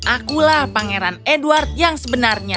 akulah pangeran edward yang sebenarnya